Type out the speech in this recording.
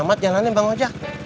lama amat jalannya bang hojak